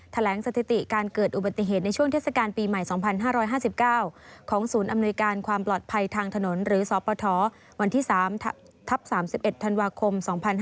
สถิติการเกิดอุบัติเหตุในช่วงเทศกาลปีใหม่๒๕๕๙ของศูนย์อำนวยการความปลอดภัยทางถนนหรือสปทวันที่๓ทับ๓๑ธันวาคม๒๕๕๙